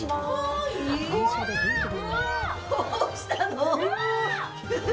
どうしたの？